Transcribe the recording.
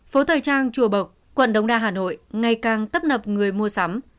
phố thời trang chùa bộc quận đống đa hà nội ngày càng tấp nập người mua sắm